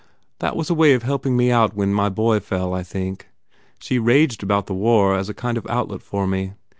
"That was a way of helping me out when my boy fell, I think. She raged about the war as a sort of outlet for me.